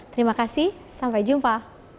terima kasih sampai jumpa